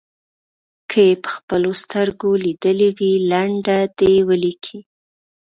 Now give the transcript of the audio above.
که یې په خپلو سترګو لیدلې وي لنډه دې ولیکي.